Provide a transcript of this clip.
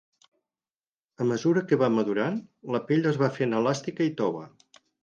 A mesura que va madurant, la pell es va fent elàstica i tova.